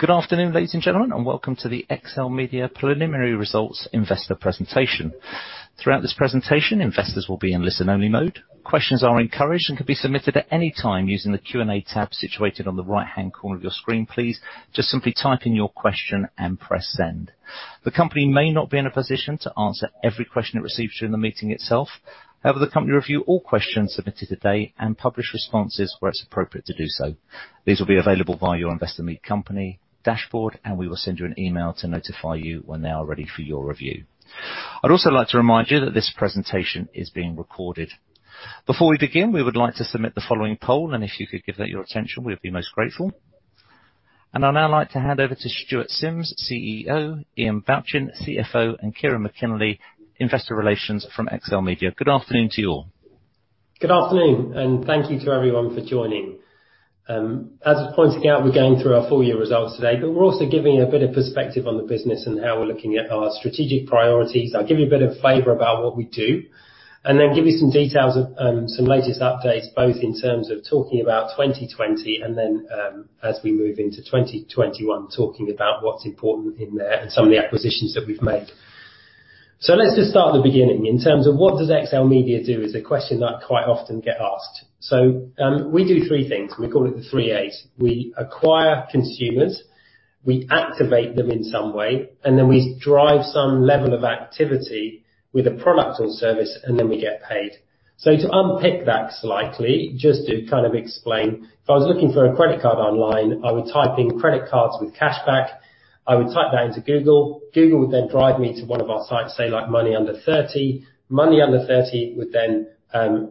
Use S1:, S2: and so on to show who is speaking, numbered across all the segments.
S1: Good afternoon, ladies and gentlemen, and welcome to the XLMedia Preliminary Results Investor Presentation. Throughout this presentation, investors will be in listen-only mode. Questions are encouraged and can be submitted at any time using the Q&A tab situated on the right-hand corner of your screen, please. Just simply type in your question and press send. The company may not be in a position to answer every question it receives during the meeting itself. However, the company will review all questions submitted today and publish responses where it's appropriate to do so. These will be available via your Investor Meet Company dashboard, and we will send you an email to notify you when they are ready for your review. I'd also like to remind you that this presentation is being recorded. Before we begin, we would like to submit the following poll, and if you could give that your attention, we would be most grateful, and I'd now like to hand over to Stuart Simms, CEO, Iain Balchin, CFO, and Kieran McKinney, Investor Relations from XLMedia. Good afternoon to you all.
S2: Good afternoon, and thank you to everyone for joining. As I was pointing out, we're going through our full year results today, but we're also giving you a bit of perspective on the business and how we're looking at our strategic priorities. I'll give you a bit of a flavor about what we do, and then give you some details of some latest updates, both in terms of talking about 2020 and then as we move into 2021, talking about what's important in there and some of the acquisitions that we've made. So let's just start at the beginning. In terms of what does XLMedia do, is a question that I quite often get asked. So we do three things. We call it the three A's. We acquire consumers, we activate them in some way, and then we drive some level of activity with a product or service, and then we get paid. So to unpick that slightly, just to kind of explain, if I was looking for a credit card online, I would type in credit cards with cashback. I would type that into Google. Google would then drive me to one of our sites, say like Money Under 30. Money Under 30 would then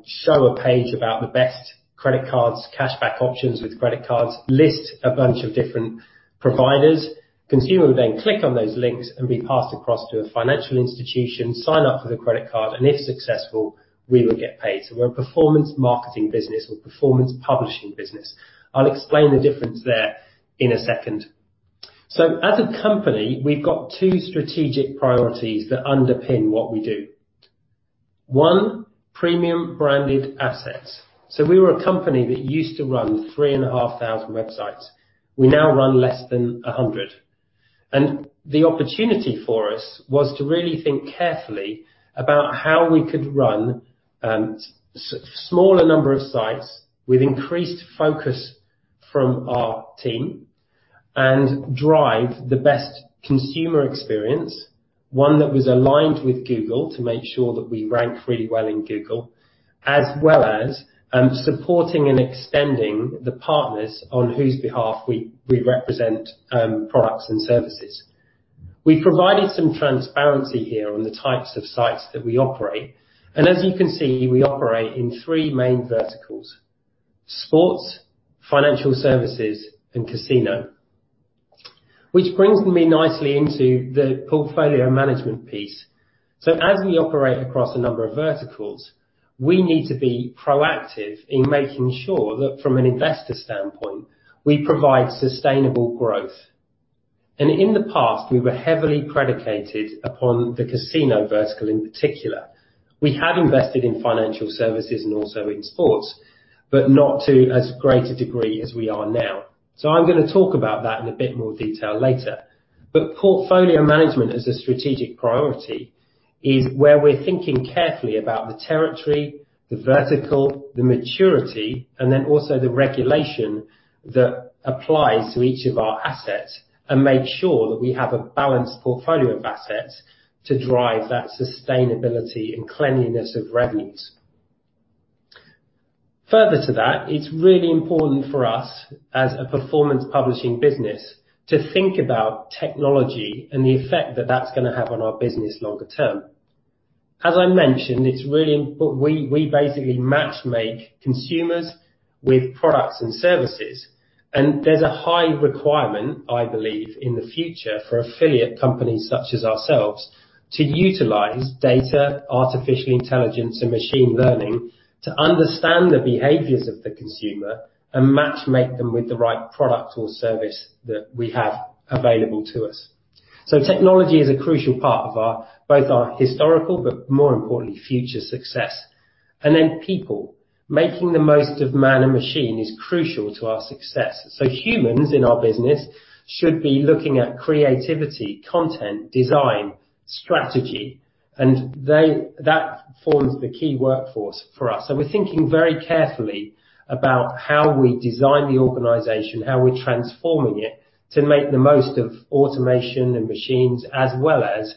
S2: show a page about the best credit cards, cashback options with credit cards, list a bunch of different providers. Consumers would then click on those links and be passed across to a financial institution, sign up for the credit card, and if successful, we would get paid. So we're a performance marketing business. We're a performance publishing business. I'll explain the difference there in a second. As a company, we've got two strategic priorities that underpin what we do. One, premium branded assets. We were a company that used to run 3,500 websites. We now run less than 100. The opportunity for us was to really think carefully about how we could run a smaller number of sites with increased focus from our team and drive the best consumer experience, one that was aligned with Google to make sure that we ranked really well in Google, as well as supporting and extending the partners on whose behalf we represent products and services. We've provided some transparency here on the types of sites that we operate. As you can see, we operate in three main verticals: sports, financial services, and casino, which brings me nicely into the portfolio management piece. So as we operate across a number of verticals, we need to be proactive in making sure that from an investor standpoint, we provide sustainable growth. And in the past, we were heavily predicated upon the casino vertical in particular. We had invested in financial services and also in sports, but not to as great a degree as we are now. So I'm going to talk about that in a bit more detail later. But portfolio management as a strategic priority is where we're thinking carefully about the territory, the vertical, the maturity, and then also the regulation that applies to each of our assets and make sure that we have a balanced portfolio of assets to drive that sustainability and cleanliness of revenues. Further to that, it's really important for us as a performance publishing business to think about technology and the effect that that's going to have on our business longer term. As I mentioned, it's really important we basically matchmake consumers with products and services. And there's a high requirement, I believe, in the future for affiliate companies such as ourselves to utilize data, artificial intelligence, and machine learning to understand the behaviors of the consumer and matchmake them with the right product or service that we have available to us. So technology is a crucial part of both our historical, but more importantly, future success. And then people, making the most of man and machine is crucial to our success. So humans in our business should be looking at creativity, content, design, strategy, and that forms the key workforce for us. So we're thinking very carefully about how we design the organization, how we're transforming it to make the most of automation and machines, as well as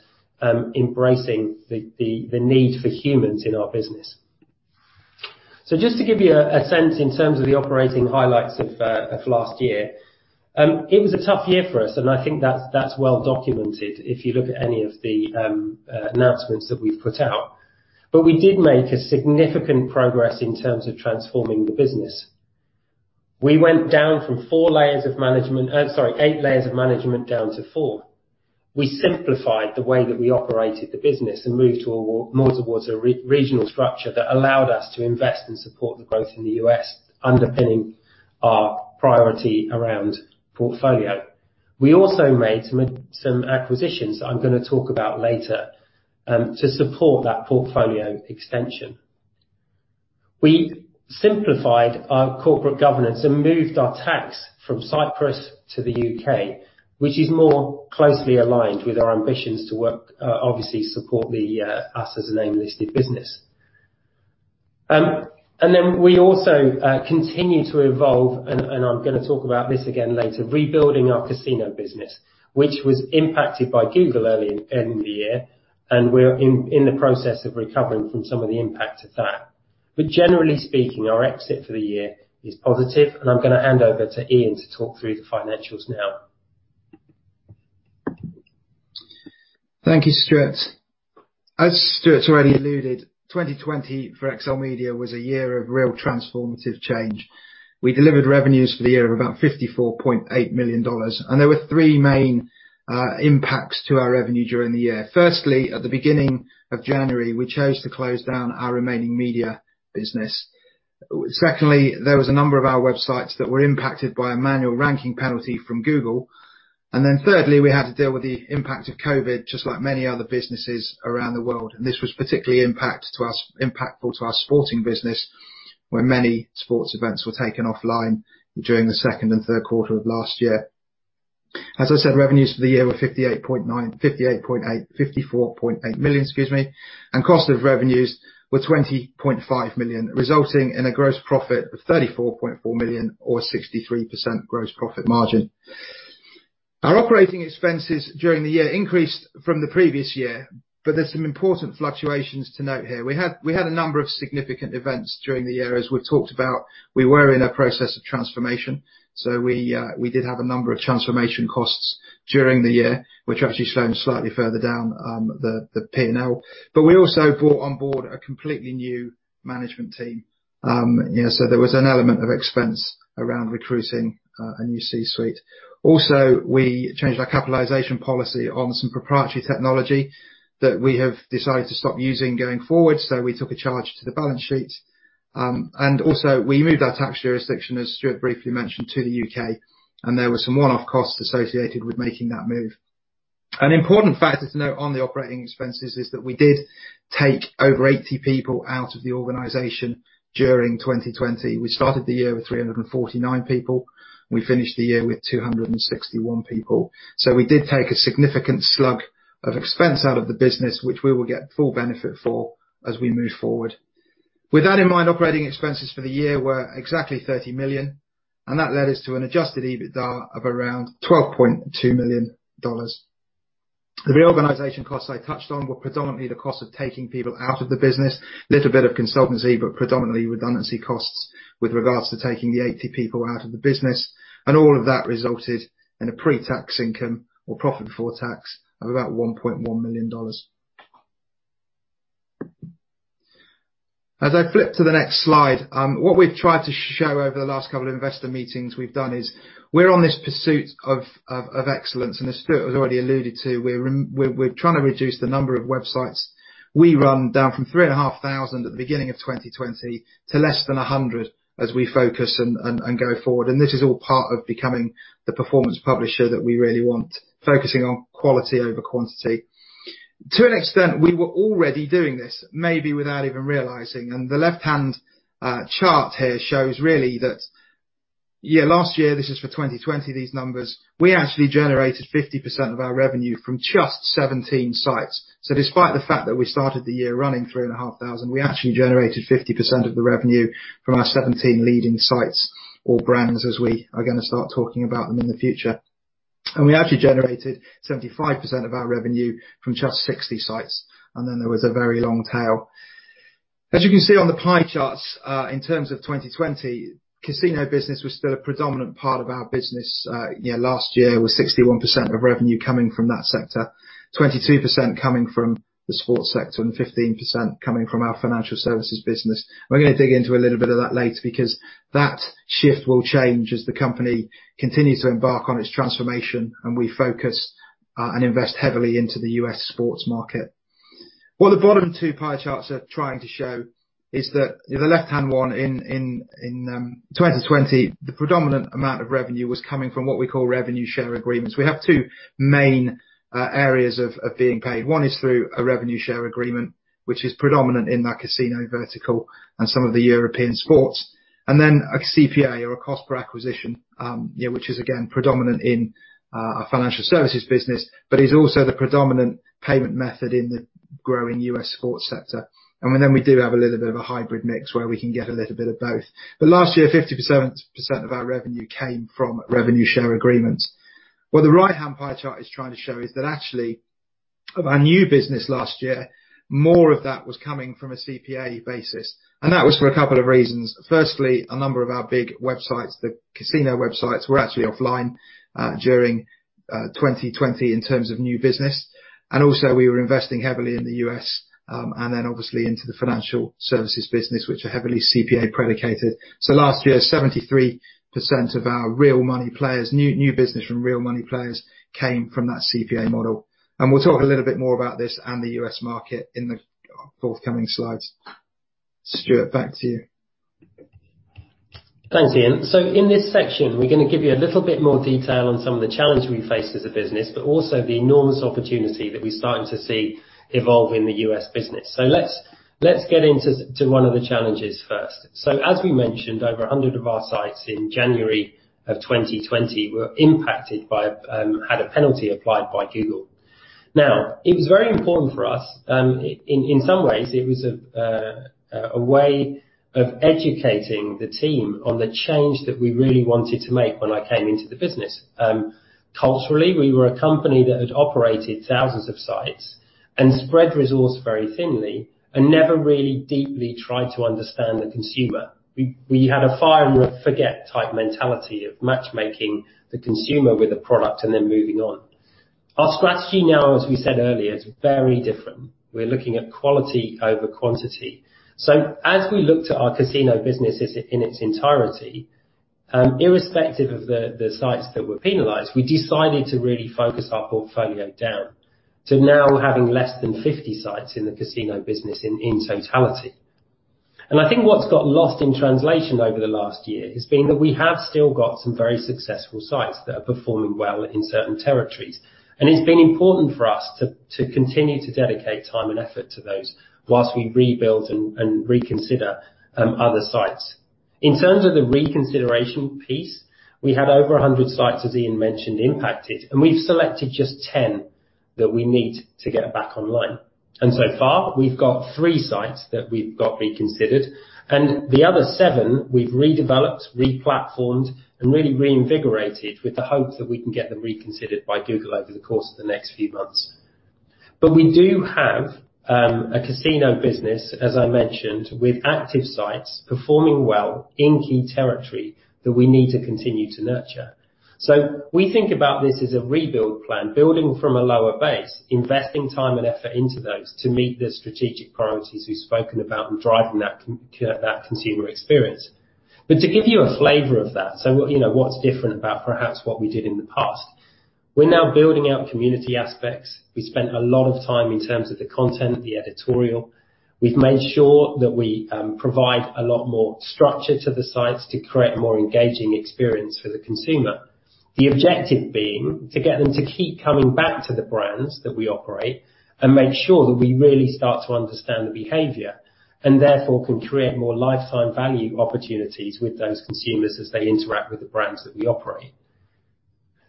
S2: embracing the need for humans in our business. So just to give you a sense in terms of the operating highlights of last year, it was a tough year for us, and I think that's well documented if you look at any of the announcements that we've put out. But we did make a significant progress in terms of transforming the business. We went down from four layers of management, sorry, eight layers of management down to four. We simplified the way that we operated the business and moved more towards a regional structure that allowed us to invest and support the growth in the U.S., underpinning our priority around portfolio. We also made some acquisitions that I'm going to talk about later to support that portfolio extension. We simplified our corporate governance and moved our tax from Cyprus to the U.K., which is more closely aligned with our ambitions to work, obviously support us as an AIM-listed business. And then we also continue to evolve, and I'm going to talk about this again later, rebuilding our casino business, which was impacted by Google early in the year, and we're in the process of recovering from some of the impact of that. But generally speaking, our outlook for the year is positive, and I'm going to hand over to Iain to talk through the financials now.
S3: Thank you, Stuart. As Stuart already alluded, 2020 for XLMedia was a year of real transformative change. We delivered revenues for the year of about $54.8 million, and there were three main impacts to our revenue during the year. Firstly, at the beginning of January, we chose to close down our remaining media business. Secondly, there was a number of our websites that were impacted by a manual ranking penalty from Google. And then thirdly, we had to deal with the impact of COVID, just like many other businesses around the world. And this was particularly impactful to our sporting business, where many sports events were taken offline during the second and third quarter of last year. As I said, revenues for the year were $58.8 million, excuse me, and cost of revenues were $20.5 million, resulting in a gross profit of $34.4 million, or 63% gross profit margin. Our operating expenses during the year increased from the previous year, but there's some important fluctuations to note here. We had a number of significant events during the year, as we've talked about. We were in a process of transformation, so we did have a number of transformation costs during the year, which actually slowed slightly further down the P&L, but we also brought on board a completely new management team, so there was an element of expense around recruiting a new C-suite. Also, we changed our capitalization policy on some proprietary technology that we have decided to stop using going forward, so we took a charge to the balance sheet, and also, we moved our tax jurisdiction, as Stuart briefly mentioned, to the U.K., and there were some one-off costs associated with making that move. An important factor to note on the operating expenses is that we did take over 80 people out of the organization during 2020. We started the year with 349 people. We finished the year with 261 people, so we did take a significant slug of expense out of the business, which we will get full benefit for as we move forward. With that in mind, operating expenses for the year were exactly $30 million, and that led us to an Adjusted EBITDA of around $12.2 million. The reorganization costs I touched on were predominantly the cost of taking people out of the business, a little bit of consultancy, but predominantly redundancy costs with regards to taking the 80 people out of the business, and all of that resulted in a pre-tax income or profit before tax of about $1.1 million. As I flip to the next slide, what we've tried to show over the last couple of investor meetings we've done is we're on this pursuit of excellence. And as Stuart was already alluded to, we're trying to reduce the number of websites we run down from 3,500 at the beginning of 2020 to less than 100 as we focus and go forward. And this is all part of becoming the performance publisher that we really want, focusing on quality over quantity. To an extent, we were already doing this, maybe without even realizing. And the left-hand chart here shows really that, yeah, last year, this is for 2020, these numbers, we actually generated 50% of our revenue from just 17 sites. Despite the fact that we started the year running 3,500, we actually generated 50% of the revenue from our 17 leading sites or brands, as we are going to start talking about them in the future. We actually generated 75% of our revenue from just 60 sites. Then there was a very long tail. As you can see on the pie charts, in terms of 2020, casino business was still a predominant part of our business. Last year, it was 61% of revenue coming from that sector, 22% coming from the sports sector, and 15% coming from our financial services business. We're going to dig into a little bit of that later because that shift will change as the company continues to embark on its transformation and we focus and invest heavily into the US sports market. What the bottom two pie charts are trying to show is that the left-hand one in 2020, the predominant amount of revenue was coming from what we call revenue share agreements. We have two main areas of being paid. One is through a revenue share agreement, which is predominant in that casino vertical and some of the European sports, and then a CPA or a cost per acquisition, which is again predominant in our financial services business, but is also the predominant payment method in the growing U.S. sports sector, and then we do have a little bit of a hybrid mix where we can get a little bit of both, but last year, 50% of our revenue came from revenue share agreements. What the right-hand pie chart is trying to show is that actually of our new business last year, more of that was coming from a CPA basis. That was for a couple of reasons. Firstly, a number of our big websites, the casino websites, were actually offline during 2020 in terms of new business. Also, we were investing heavily in the U.S. and then obviously into the financial services business, which are heavily CPA predicated. Last year, 73% of our real money players, new business from real money players, came from that CPA model. We'll talk a little bit more about this and the U.S. market in the forthcoming slides. Stuart, back to you.
S2: Thanks, Iain. So in this section, we're going to give you a little bit more detail on some of the challenges we face as a business, but also the enormous opportunity that we're starting to see evolve in the U.S. business. So let's get into one of the challenges first. So as we mentioned, over a hundred of our sites in January of 2020 were impacted by, had a penalty applied by Google. Now, it was very important for us. In some ways, it was a way of educating the team on the change that we really wanted to make when I came into the business. Culturally, we were a company that had operated thousands of sites and spread results very thinly and never really deeply tried to understand the consumer. We had a fire and forget type mentality of matchmaking the consumer with a product and then moving on. Our strategy now, as we said earlier, is very different. We're looking at quality over quantity. So as we looked at our casino business in its entirety, irrespective of the sites that were penalized, we decided to really focus our portfolio down to now having less than 50 sites in the casino business in totality. And I think what's got lost in translation over the last year has been that we have still got some very successful sites that are performing well in certain territories. And it's been important for us to continue to dedicate time and effort to those while we rebuild and reconsider other sites. In terms of the reconsideration piece, we had over a hundred sites, as Iain mentioned, impacted, and we've selected just 10 that we need to get back online. And so far, we've got three sites that we've got reconsidered. And the other seven, we've redeveloped, replatformed, and really reinvigorated with the hope that we can get them reconsidered by Google over the course of the next few months. But we do have a casino business, as I mentioned, with active sites performing well in key territory that we need to continue to nurture. So we think about this as a rebuild plan, building from a lower base, investing time and effort into those to meet the strategic priorities we've spoken about and driving that consumer experience. But to give you a flavor of that, so what's different about perhaps what we did in the past, we're now building out community aspects. We spent a lot of time in terms of the content, the editorial. We've made sure that we provide a lot more structure to the sites to create a more engaging experience for the consumer. The objective being to get them to keep coming back to the brands that we operate and make sure that we really start to understand the behavior and therefore can create more lifetime value opportunities with those consumers as they interact with the brands that we operate.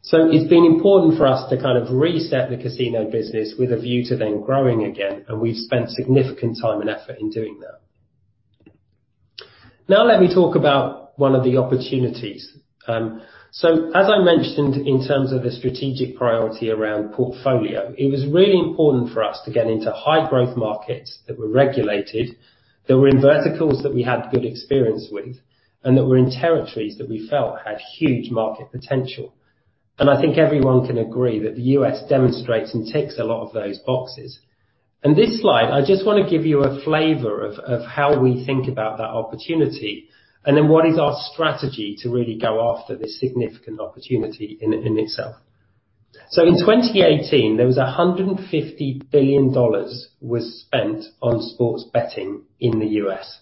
S2: So it's been important for us to kind of reset the casino business with a view to then growing again, and we've spent significant time and effort in doing that. Now, let me talk about one of the opportunities. So as I mentioned, in terms of the strategic priority around portfolio, it was really important for us to get into high-growth markets that were regulated, that were in verticals that we had good experience with, and that were in territories that we felt had huge market potential. I think everyone can agree that the U.S. demonstrates and ticks a lot of those boxes. This slide, I just want to give you a flavor of how we think about that opportunity and then what is our strategy to really go after this significant opportunity in itself. In 2018, there was $150 billion spent on sports betting in the U.S.,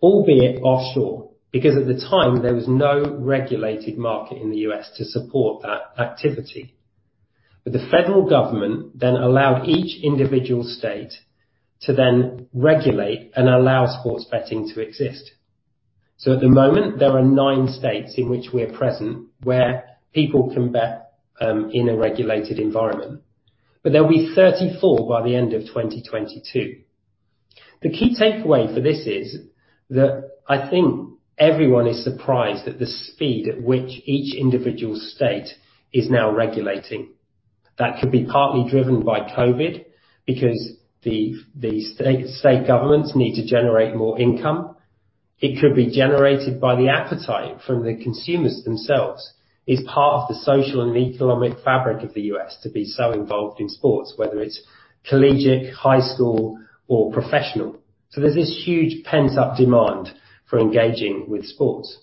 S2: albeit offshore, because at the time, there was no regulated market in the U.S. to support that activity. The federal government then allowed each individual state to then regulate and allow sports betting to exist. At the moment, there are nine states in which we are present where people can bet in a regulated environment. There'll be 34 by the end of 2022. The key takeaway for this is that I think everyone is surprised at the speed at which each individual state is now regulating. That could be partly driven by COVID because the state governments need to generate more income. It could be generated by the appetite from the consumers themselves. It's part of the social and economic fabric of the U.S. to be so involved in sports, whether it's collegiate, high school, or professional. So there's this huge pent-up demand for engaging with sports.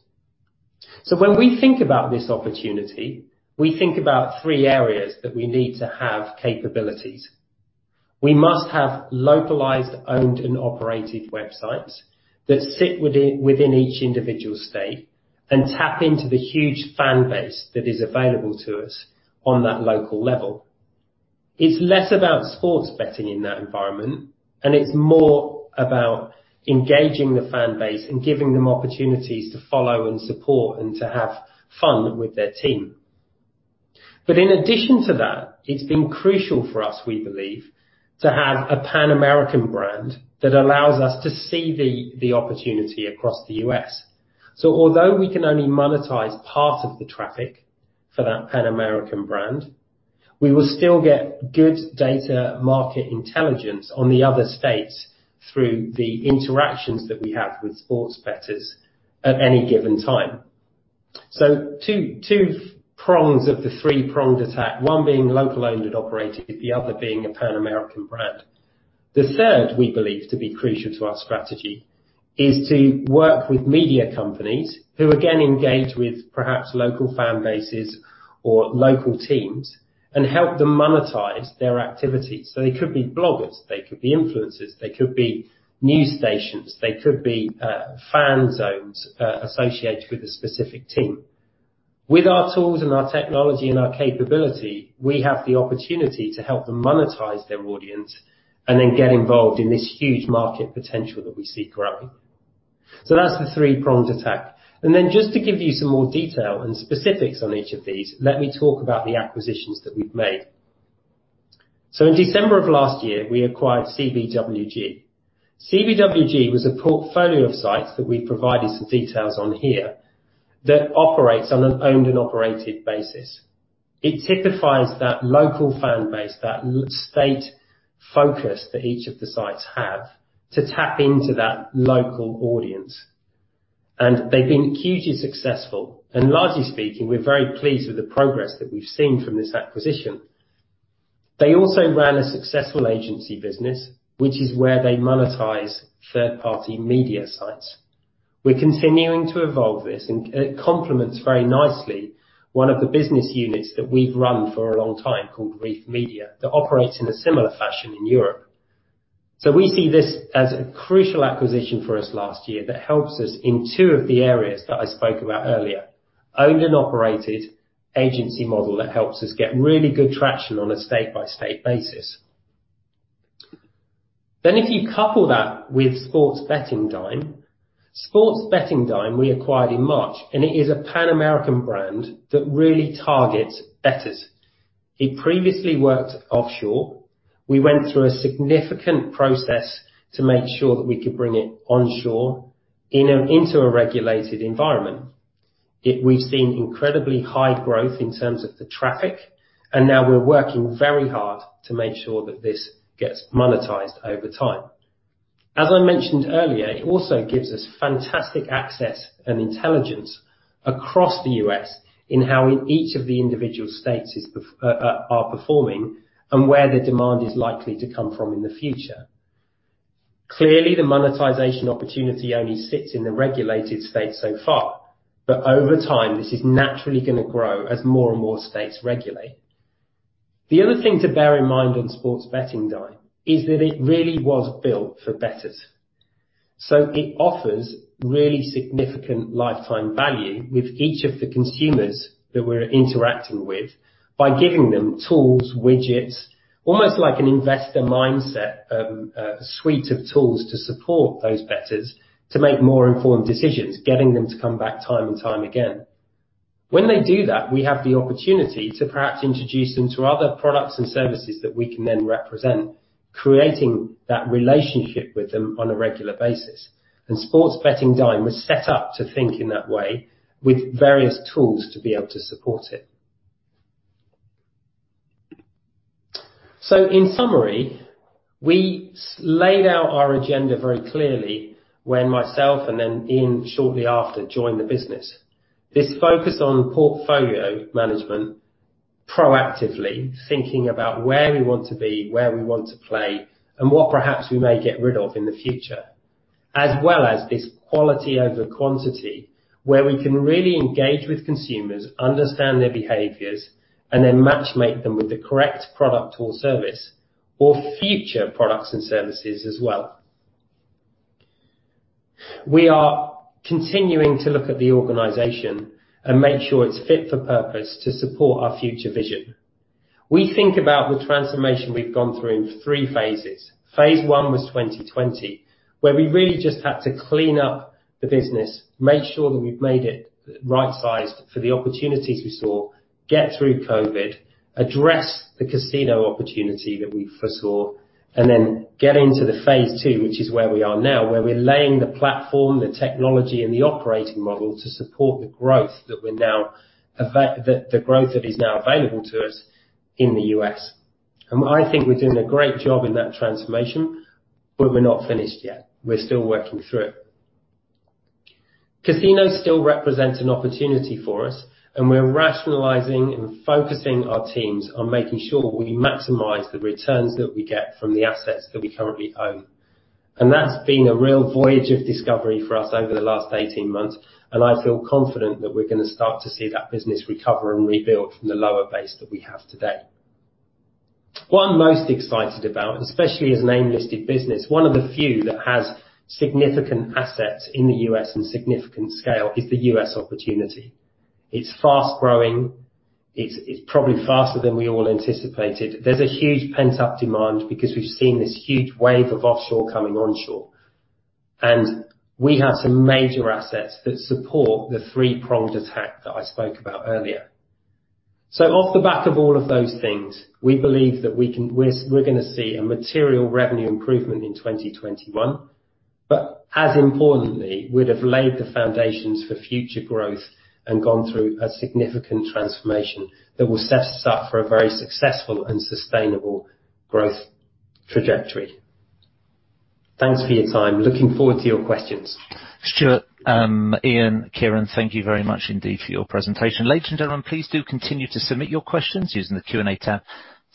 S2: So when we think about this opportunity, we think about three areas that we need to have capabilities. We must have localized, owned, and operated websites that sit within each individual state and tap into the huge fan base that is available to us on that local level. It's less about sports betting in that environment, and it's more about engaging the fan base and giving them opportunities to follow and support and to have fun with their team, but in addition to that, it's been crucial for us, we believe, to have a Pan-American brand that allows us to see the opportunity across the U.S. So although we can only monetize part of the traffic for that Pan-American brand, we will still get good data market intelligence on the other states through the interactions that we have with sports bettors at any given time, so two prongs of the three-pronged attack, one being local-owned and operated, the other being a Pan-American brand. The third, we believe, to be crucial to our strategy is to work with media companies who, again, engage with perhaps local fan bases or local teams and help them monetize their activity. So they could be bloggers, they could be influencers, they could be news stations, they could be fan zones associated with a specific team. With our tools and our technology and our capability, we have the opportunity to help them monetize their audience and then get involved in this huge market potential that we see growing. So that's the three-pronged attack. And then just to give you some more detail and specifics on each of these, let me talk about the acquisitions that we've made. So in December of last year, we acquired CBWG. CBWG was a portfolio of sites that we've provided some details on here that operates on an owned and operated basis. It typifies that local fan base, that state focus that each of the sites have to tap into that local audience. And they've been hugely successful. Largely speaking, we're very pleased with the progress that we've seen from this acquisition. They also ran a successful agency business, which is where they monetize third-party media sites. We're continuing to evolve this, and it complements very nicely one of the business units that we've run for a long time called Reef Media that operates in a similar fashion in Europe. We see this as a crucial acquisition for us last year that helps us in two of the areas that I spoke about earlier, owned and operated agency model that helps us get really good traction on a state-by-state basis. If you couple that with Sports Betting Dime, Sports Betting Dime we acquired in March, and it is a Pan-American brand that really targets bettors. It previously worked offshore. We went through a significant process to make sure that we could bring it onshore into a regulated environment. We've seen incredibly high growth in terms of the traffic, and now we're working very hard to make sure that this gets monetized over time. As I mentioned earlier, it also gives us fantastic access and intelligence across the U.S. in how each of the individual states are performing and where the demand is likely to come from in the future. Clearly, the monetization opportunity only sits in the regulated states so far, but over time, this is naturally going to grow as more and more states regulate. The other thing to bear in mind on Sports Betting Dime is that it really was built for bettors. So it offers really significant lifetime value with each of the consumers that we're interacting with by giving them tools, widgets, almost like an investor mindset, a suite of tools to support those bettors to make more informed decisions, getting them to come back time and time again. When they do that, we have the opportunity to perhaps introduce them to other products and services that we can then represent, creating that relationship with them on a regular basis. And Sports Betting Dime was set up to think in that way with various tools to be able to support it. So in summary, we laid out our agenda very clearly when myself and then Iain shortly after joined the business. This focus on portfolio management, proactively thinking about where we want to be, where we want to play, and what perhaps we may get rid of in the future, as well as this quality over quantity where we can really engage with consumers, understand their behaviors, and then matchmake them with the correct product or service or future products and services as well. We are continuing to look at the organization and make sure it's fit for purpose to support our future vision. We think about the transformation we've gone through in three phases. Phase one was 2020, where we really just had to clean up the business, make sure that we've made it right-sized for the opportunities we saw, get through COVID, address the casino opportunity that we foresaw, and then get into phase two, which is where we are now, where we're laying the platform, the technology, and the operating model to support the growth that we're now, the growth that is now available to us in the U.S., and I think we're doing a great job in that transformation, but we're not finished yet. We're still working through it. Casinos still represent an opportunity for us, and we're rationalizing and focusing our teams on making sure we maximize the returns that we get from the assets that we currently own. And that's been a real voyage of discovery for us over the last 18 months, and I feel confident that we're going to start to see that business recover and rebuild from the lower base that we have today. What I'm most excited about, especially as an AIM-listed business, one of the few that has significant assets in the U.S. and significant scale, is the U.S. opportunity. It's fast-growing. It's probably faster than we all anticipated. There's a huge pent-up demand because we've seen this huge wave of offshore coming onshore. And we have some major assets that support the three-pronged attack that I spoke about earlier. So off the back of all of those things, we believe that we're going to see a material revenue improvement in 2021, but as importantly, we'd have laid the foundations for future growth and gone through a significant transformation that will set us up for a very successful and sustainable growth trajectory. Thanks for your time. Looking forward to your questions.
S1: Stuart, Iain, Kieran, thank you very much indeed for your presentation. Ladies and gentlemen, please do continue to submit your questions using the Q&A tab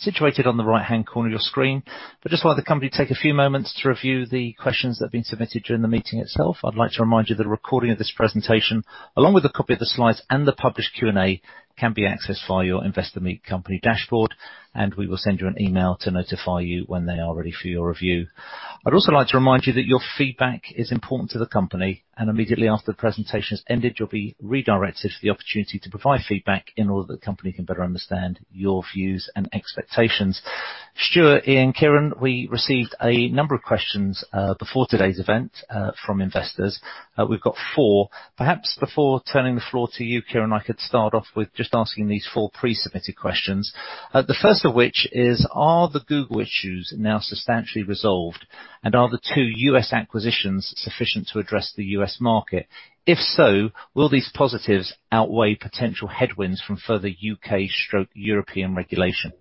S1: situated on the right-hand corner of your screen. But just while the company takes a few moments to review the questions that have been submitted during the meeting itself, I'd like to remind you that the recording of this presentation, along with a copy of the slides and the published Q&A, can be accessed via your Investor Meet Company dashboard, and we will send you an email to notify you when they are ready for your review. I'd also like to remind you that your feedback is important to the company, and immediately after the presentation has ended, you'll be redirected to the opportunity to provide feedback in order that the company can better understand your views and expectations. Stuart, Iain, Kieran, we received a number of questions before today's event from investors. We've got four. Perhaps before turning the floor to you, Kieran, I could start off with just asking these four pre-submitted questions. The first of which is, are the Google issues now substantially resolved, and are the two U.S. acquisitions sufficient to address the U.S. market? If so, will these positives outweigh potential headwinds from further U.K./European regulation?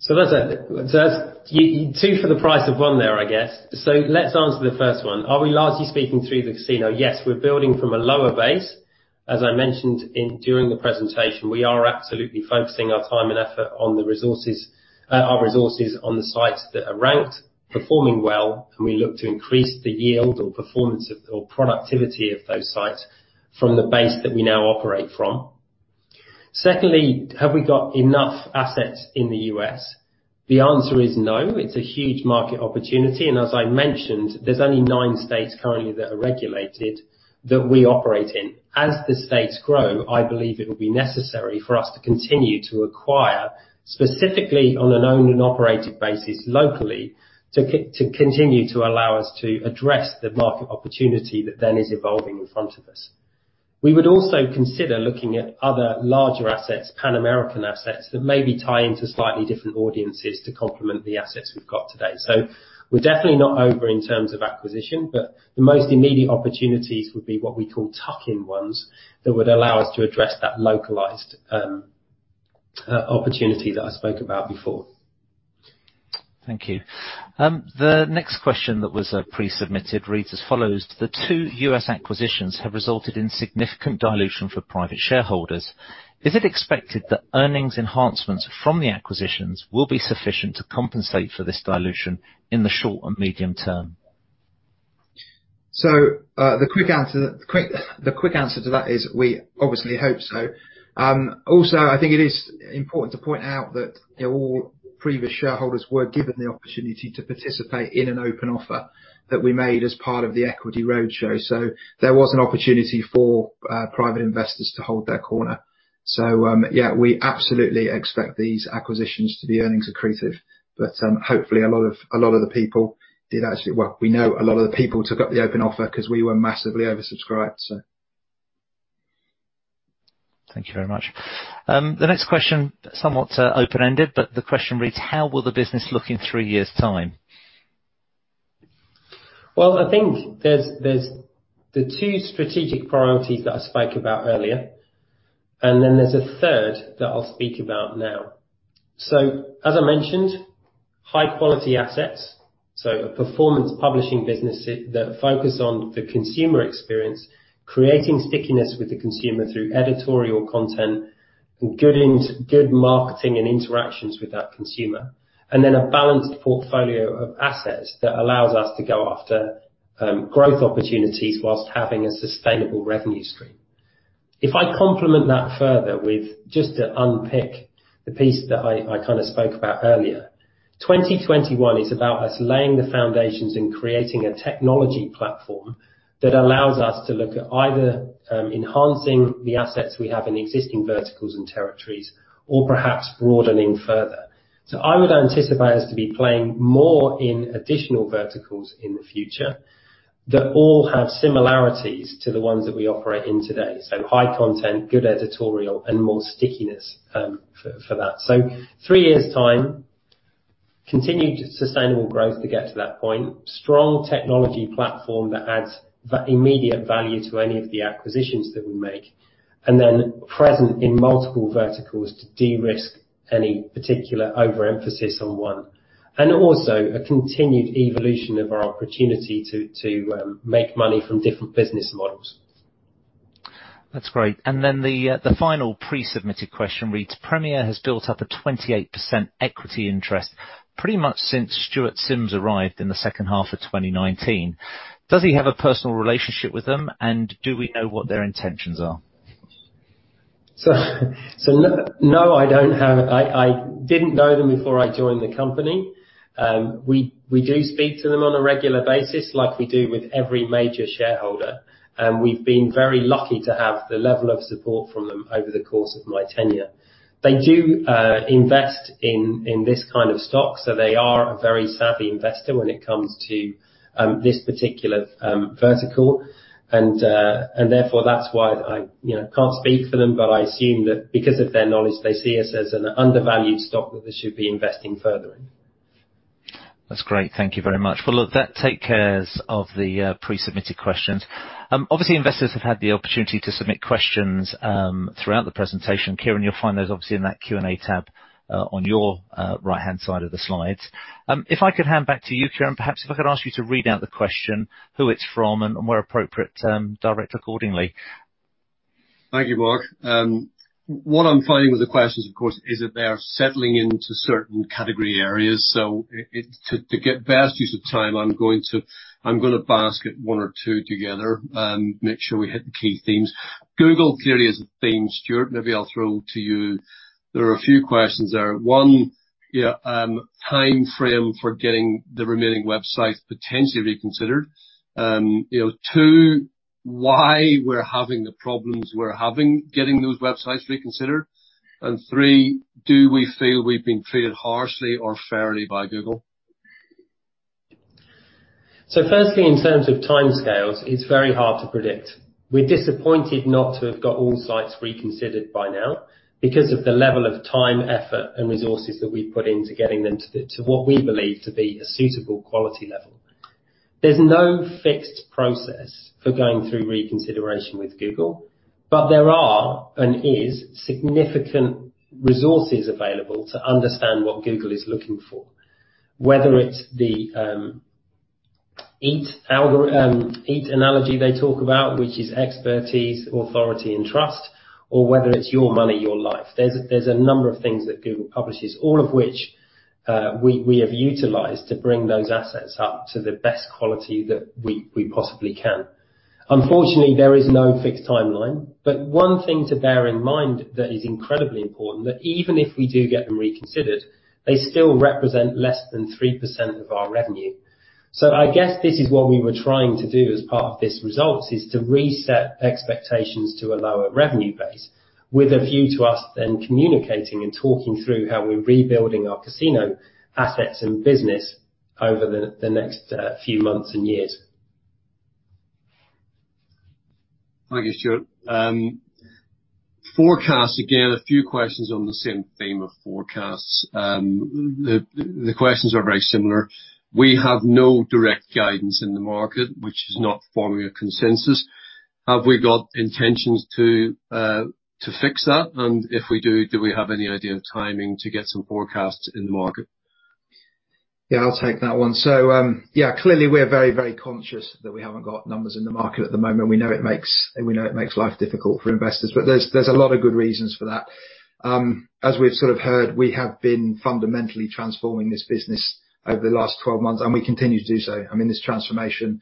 S2: So that's two for the price of one there, I guess. So let's answer the first one. Are we largely speaking through the casino? Yes, we're building from a lower base. As I mentioned during the presentation, we are absolutely focusing our time and effort on the resources, our resources on the sites that are ranked, performing well, and we look to increase the yield or performance or productivity of those sites from the base that we now operate from. Secondly, have we got enough assets in the U.S.? The answer is no. It's a huge market opportunity. And as I mentioned, there's only nine states currently that are regulated that we operate in. As the states grow, I believe it will be necessary for us to continue to acquire specifically on an owned and operated basis locally to continue to allow us to address the market opportunity that then is evolving in front of us. We would also consider looking at other larger assets, Pan-American assets that maybe tie into slightly different audiences to complement the assets we've got today. So we're definitely not over in terms of acquisition, but the most immediate opportunities would be what we call tuck-in ones that would allow us to address that localized opportunity that I spoke about before.
S1: Thank you. The next question that was pre-submitted reads as follows: The two U.S. acquisitions have resulted in significant dilution for private shareholders. Is it expected that earnings enhancements from the acquisitions will be sufficient to compensate for this dilution in the short and medium term?
S3: So the quick answer to that is we obviously hope so. Also, I think it is important to point out that all previous shareholders were given the opportunity to participate in an open offer that we made as part of the equity roadshow. So there was an opportunity for private investors to hold their corner. So yeah, we absolutely expect these acquisitions to be earnings accretive. But hopefully, a lot of the people did actually, well, we know a lot of the people took up the open offer because we were massively oversubscribed, so.
S1: Thank you very much. The next question, somewhat open-ended, but the question reads, how will the business look in three years' time?
S2: I think there's the two strategic priorities that I spoke about earlier, and then there's a third that I'll speak about now. As I mentioned, high-quality assets, so a performance publishing business that focuses on the consumer experience, creating stickiness with the consumer through editorial content, good marketing and interactions with that consumer, and then a balanced portfolio of assets that allows us to go after growth opportunities while having a sustainable revenue stream. If I complement that further with just to unpick the piece that I kind of spoke about earlier, 2021 is about us laying the foundations and creating a technology platform that allows us to look at either enhancing the assets we have in existing verticals and territories or perhaps broadening further. So I would anticipate us to be playing more in additional verticals in the future that all have similarities to the ones that we operate in today. So high content, good editorial, and more stickiness for that. So three years' time, continued sustainable growth to get to that point, strong technology platform that adds immediate value to any of the acquisitions that we make, and then present in multiple verticals to de-risk any particular overemphasis on one. And also a continued evolution of our opportunity to make money from different business models.
S1: That's great. And then the final pre-submitted question reads, Premier has built up a 28% equity interest pretty much since Stuart Sims arrived in the second half of 2019. Does he have a personal relationship with them, and do we know what their intentions are?
S2: So, no, I don't have. I didn't know them before I joined the company. We do speak to them on a regular basis like we do with every major shareholder. And we've been very lucky to have the level of support from them over the course of my tenure. They do invest in this kind of stock, so they are a very savvy investor when it comes to this particular vertical. And therefore, that's why I can't speak for them, but I assume that because of their knowledge, they see us as an undervalued stock that they should be investing further in.
S1: That's great. Thank you very much. Let that take care of the pre-submitted questions. Obviously, investors have had the opportunity to submit questions throughout the presentation. Kieran, you'll find those obviously in that Q&A tab on your right-hand side of the slides. If I could hand back to you, Kieran, perhaps if I could ask you to read out the question, who it's from, and where appropriate, direct accordingly.
S4: Thank you, Mark. What I'm finding with the questions, of course, is that they're settling into certain category areas. So to get the best use of time, I'm going to basket one or two together, make sure we hit the key themes. Google clearly is a theme, Stuart. Maybe I'll throw to you. There are a few questions there. One, timeframe for getting the remaining websites potentially reconsidered. Two, why we're having the problems we're having getting those websites reconsidered. And three, do we feel we've been treated harshly or fairly by Google?
S2: So firstly, in terms of timescales, it's very hard to predict. We're disappointed not to have got all sites reconsidered by now because of the level of time, effort, and resources that we've put into getting them to what we believe to be a suitable quality level. There's no fixed process for going through reconsideration with Google, but there are and is significant resources available to understand what Google is looking for, whether it's the EAT analogy they talk about, which is expertise, authority, and trust, or whether it's your money, your life. There's a number of things that Google publishes, all of which we have utilized to bring those assets up to the best quality that we possibly can. Unfortunately, there is no fixed timeline, but one thing to bear in mind that is incredibly important is that even if we do get them reconsidered, they still represent less than 3% of our revenue. So I guess this is what we were trying to do as part of this result, is to reset expectations to a lower revenue base with a view to us then communicating and talking through how we're rebuilding our casino assets and business over the next few months and years.
S4: Thank you, Stuart. Forecasts, again, a few questions on the same theme of forecasts. The questions are very similar. We have no direct guidance in the market, which is not forming a consensus. Have we got intentions to fix that? And if we do, do we have any idea of timing to get some forecasts in the market?
S3: Yeah, I'll take that one. So yeah, clearly, we're very, very conscious that we haven't got numbers in the market at the moment. We know it makes life difficult for investors, but there's a lot of good reasons for that. As we've sort of heard, we have been fundamentally transforming this business over the last 12 months, and we continue to do so. I mean, this transformation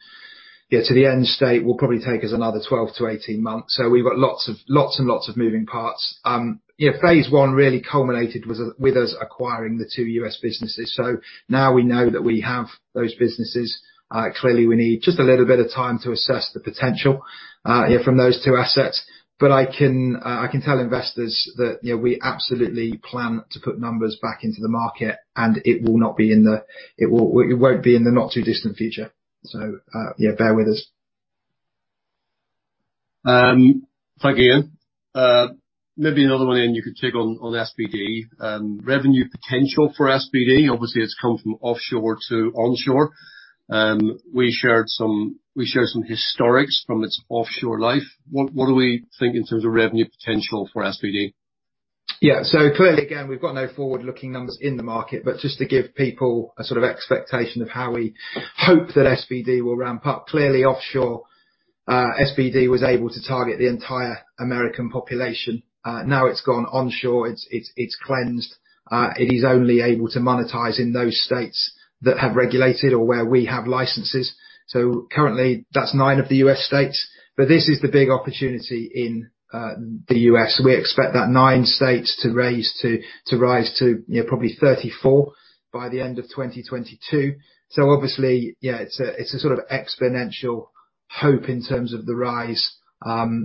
S3: to the end state will probably take us another 12-18 months. So we've got lots and lots of moving parts. Phase one really culminated with us acquiring the two U.S. businesses. So now we know that we have those businesses. Clearly, we need just a little bit of time to assess the potential from those two assets. But I can tell investors that we absolutely plan to put numbers back into the market, and it won't be in the not-too-distant future. So yeah, bear with us.
S4: Thank you, Iain. Maybe another one if you could take on SBD. Revenue potential for SBD, obviously, it's come from offshore to onshore. We shared some historics from its offshore life. What do we think in terms of revenue potential for SBD?
S3: Yeah. So clearly, again, we've got no forward-looking numbers in the market, but just to give people a sort of expectation of how we hope that SBD will ramp up. Clearly, offshore, SBD was able to target the entire American population. Now it's gone onshore. It's cleansed. It is only able to monetize in those states that have regulated or where we have licenses. So currently, that's nine of the U.S. states, but this is the big opportunity in the U.S. We expect that nine states to rise to probably 34 by the end of 2022. So obviously, yeah, it's a sort of exponential hope in terms of the rise,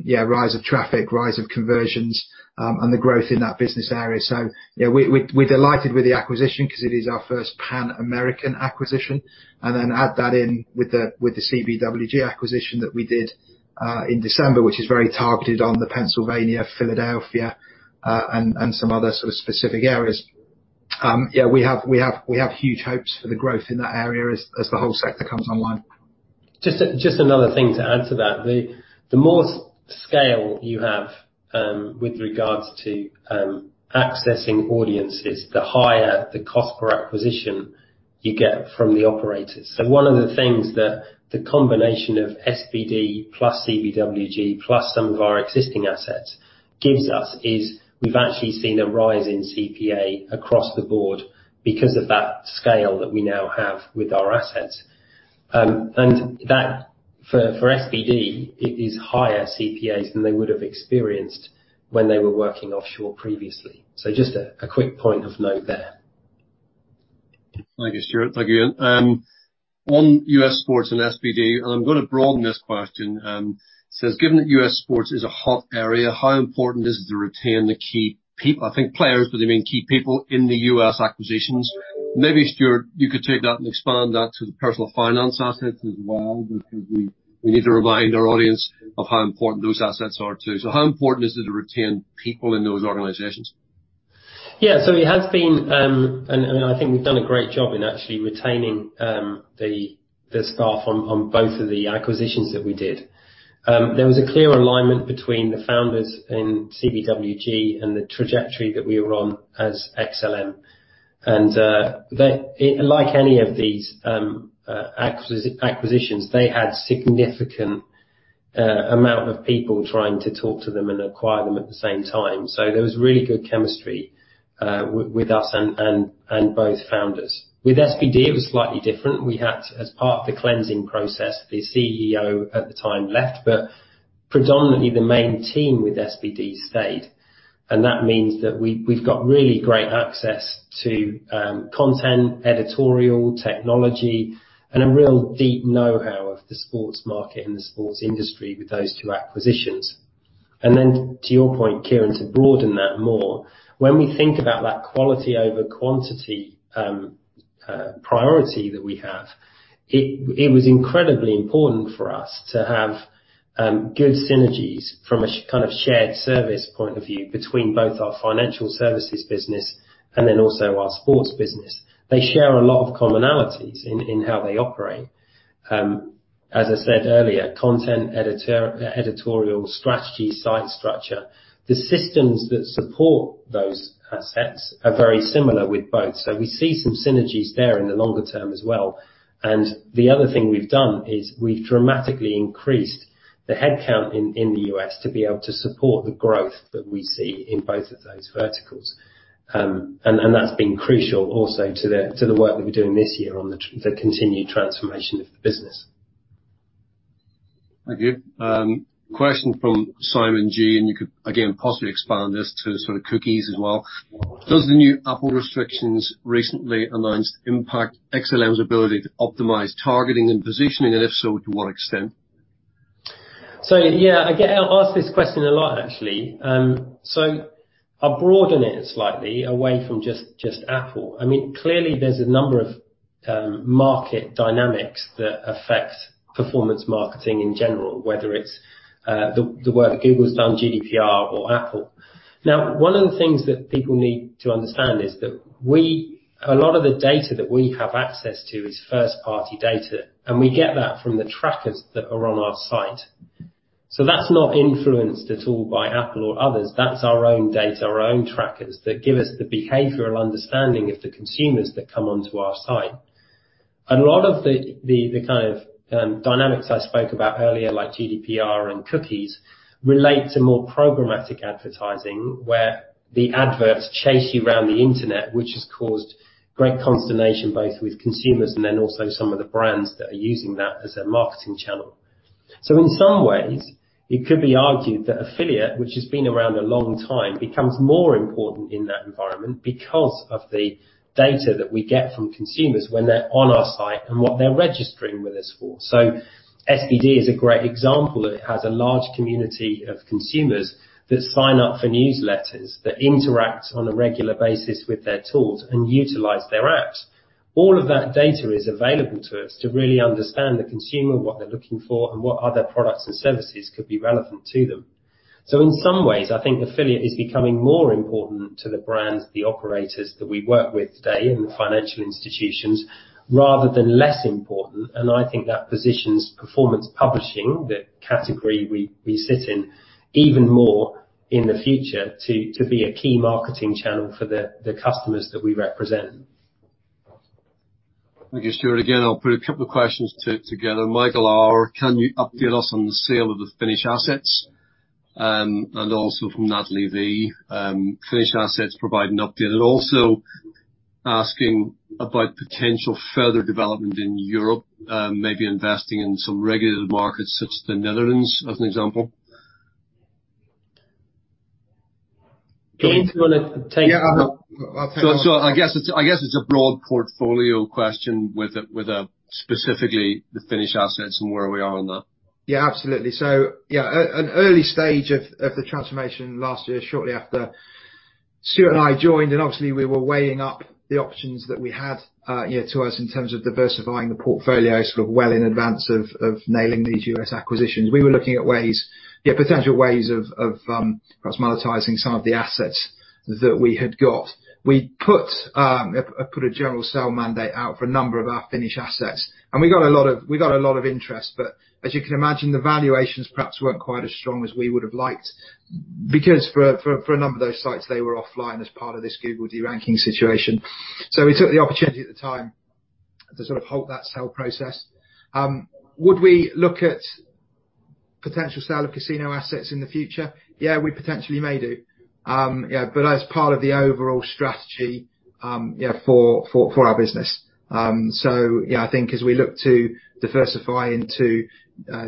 S3: yeah, rise of traffic, rise of conversions, and the growth in that business area. So we're delighted with the acquisition because it is our first pan-American acquisition. And then add that in with the CBWG acquisition that we did in December, which is very targeted on Pennsylvania, Philadelphia, and some other sort of specific areas. Yeah, we have huge hopes for the growth in that area as the whole sector comes online.
S2: Just another thing to add to that. The more scale you have with regards to accessing audiences, the higher the cost per acquisition you get from the operators. So one of the things that the combination of SBD plus CBWG plus some of our existing assets gives us is we've actually seen a rise in CPA across the board because of that scale that we now have with our assets. And that, for SBD, it is higher CPAs than they would have experienced when they were working offshore previously. So just a quick point of note there.
S4: Thank you, Stuart. Thank you, Iain. On US sports and SBD, and I'm going to broaden this question. It says, given that US sports is a hot area, how important is it to retain the key people? I think players, but they mean key people in the US acquisitions. Maybe, Stuart, you could take that and expand that to the personal finance assets as well because we need to remind our audience of how important those assets are too. So how important is it to retain people in those organizations?
S2: Yeah. So it has been, and I think we've done a great job in actually retaining the staff on both of the acquisitions that we did. There was a clear alignment between the founders in CBWG and the trajectory that we were on as XLMedia. And like any of these acquisitions, they had a significant amount of people trying to talk to them and acquire them at the same time. So there was really good chemistry with us and both founders. With SBD, it was slightly different. We had, as part of the closing process, the CEO at the time left, but predominantly the main team with SBD stayed. And that means that we've got really great access to content, editorial, technology, and a real deep know-how of the sports market and the sports industry with those two acquisitions. And then to your point, Kieran, to broaden that more, when we think about that quality over quantity priority that we have, it was incredibly important for us to have good synergies from a kind of shared service point of view between both our financial services business and then also our sports business. They share a lot of commonalities in how they operate. As I said earlier, content, editorial, strategy, site structure. The systems that support those assets are very similar with both. So we see some synergies there in the longer term as well. And the other thing we've done is we've dramatically increased the headcount in the U.S. to be able to support the growth that we see in both of those verticals. And that's been crucial also to the work that we're doing this year on the continued transformation of the business.
S4: Thank you. Question from Simon Jean, and you could again possibly expand this to sort of cookies as well. Does the new Apple restrictions recently announced impact XLM's ability to optimize targeting and positioning, and if so, to what extent?
S2: So yeah, I'll ask this question a lot, actually. So I'll broaden it slightly away from just Apple. I mean, clearly, there's a number of market dynamics that affect performance marketing in general, whether it's the work that Google's done, GDPR, or Apple. Now, one of the things that people need to understand is that a lot of the data that we have access to is first-party data, and we get that from the trackers that are on our site. So that's not influenced at all by Apple or others. That's our own data, our own trackers that give us the behavioral understanding of the consumers that come onto our site. A lot of the kind of dynamics I spoke about earlier, like GDPR and cookies, relate to more programmatic advertising where the adverts chase you around the internet, which has caused great consternation both with consumers and then also some of the brands that are using that as a marketing channel. So in some ways, it could be argued that affiliate, which has been around a long time, becomes more important in that environment because of the data that we get from consumers when they're on our site and what they're registering with us for. So SBD is a great example. It has a large community of consumers that sign up for newsletters, that interact on a regular basis with their tools, and utilize their apps. All of that data is available to us to really understand the consumer, what they're looking for, and what other products and services could be relevant to them, so in some ways, I think affiliate is becoming more important to the brands, the operators that we work with today, and the financial institutions, rather than less important, and I think that positions performance publishing, the category we sit in, even more in the future to be a key marketing channel for the customers that we represent.
S4: Thank you, Stuart. Again, I'll put a couple of questions together. Michael R., can you update us on the sale of the Finnish assets? And also from Natalie V., Finnish assets provide an update. And also asking about potential further development in Europe, maybe investing in some regulated markets such as the Netherlands as an example.
S2: Can you take that?
S4: So I guess it's a broad portfolio question with specifically the Finnish assets and where we are on that.
S3: Yeah, absolutely. So yeah, an early stage of the transformation last year, shortly after Stuart and I joined, and obviously, we were weighing up the options that we had to us in terms of diversifying the portfolio sort of well in advance of nailing these U.S. acquisitions. We were looking at ways, potential ways of perhaps monetizing some of the assets that we had got. We put a general sale mandate out for a number of our Finnish assets, and we got a lot of interest. But as you can imagine, the valuations perhaps weren't quite as strong as we would have liked because for a number of those sites, they were offline as part of this Google deranking situation. So we took the opportunity at the time to sort of halt that sale process. Would we look at potential sale of casino assets in the future? Yeah, we potentially may do, yeah, but as part of the overall strategy for our business, so yeah, I think as we look to diversify into